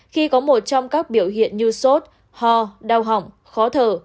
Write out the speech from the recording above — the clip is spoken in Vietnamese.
khi có một trong các biểu hiện như sốt ho đau hỏng khó thở